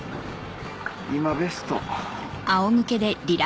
今ベスト。